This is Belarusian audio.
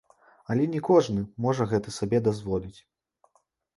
Але не кожны можа гэта сабе дазволіць.